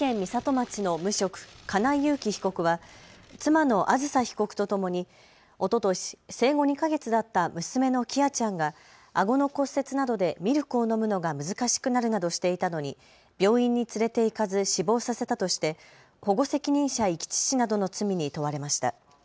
町の無職、金井裕喜被告は妻のあずさ被告とともにおととし生後２か月だった娘の喜空ちゃんがあごの骨折などでミルクを飲むのが難しくなるなどしていたのに病院に連れて行かず死亡させたとして保護責任者遺棄致死などの罪に問われました。